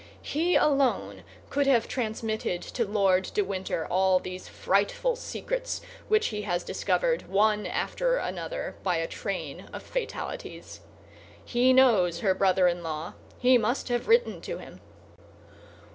He alone could have transmitted to Lord de Winter all these frightful secrets which he has discovered, one after another, by a train of fatalities. He knows her brother in law. He must have written to him.